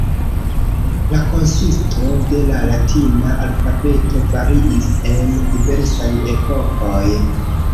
La konsisto de la latina alfabeto variis en diversaj epokoj.